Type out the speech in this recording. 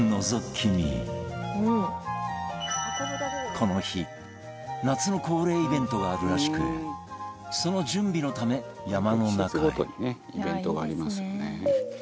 この日夏の恒例イベントがあるらしくその準備のため山の中へ